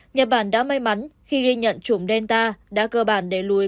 nhật bản đã may mắn khi ghi nhận chủng delta đã cơ bản đầy lùi